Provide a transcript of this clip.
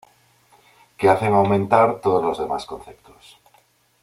que hacen aumentar todos los demás conceptos